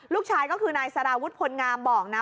ลูกชายก็คือนายสารวุฒิพลงามบอกนะ